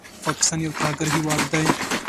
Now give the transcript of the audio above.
پاکستان یو ترهګر هېواد دی